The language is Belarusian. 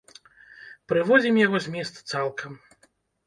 Прыводзім яго змест цалкам.